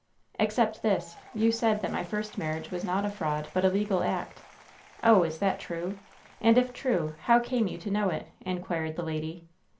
"Except this : You said that my first marriage was not a fraud, but a legal act. Oh! is that true? And if true, how came you to know it ?" inquired the lady.